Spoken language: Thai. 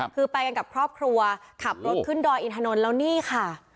คือไปกันกับครอบครัวขับรถขึ้นดอยอินทนนท์แล้วนี่ค่ะ